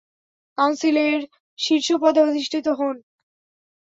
কাউন্সিলের শীর্ষ পদে অধিষ্ঠিত হোন।